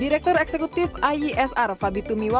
direktur eksekutif iesr fabi tumiwa